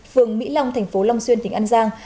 phường mỹ long thành phố long xuyên tỉnh an giang